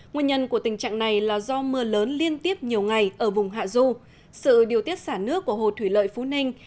nguyên nhân của tình trạng này là do mưa lớn liên tiếp nhiều ngày ở vùng hạ du sự điều tiết xả nước của hồ thủy lợi phú ninh